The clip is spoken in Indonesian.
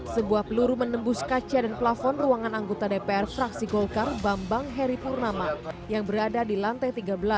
sebuah peluru menembus kaca dan plafon ruangan anggota dpr fraksi golkar bambang heri purnama yang berada di lantai tiga belas